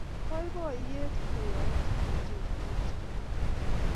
boiboiet ko ya itinye choronok chebo iman